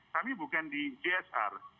kami bukan di csr